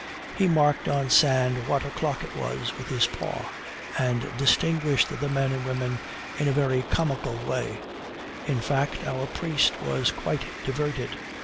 He marked on sand what o'clock it was, with his paw; and distinguished the men and women in a very comical way: in fact, our priest was quite diverted.